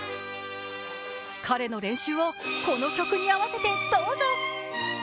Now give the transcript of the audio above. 彼の練習をこの曲に合わせてどうぞ。